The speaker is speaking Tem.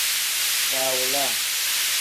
Baawolaa.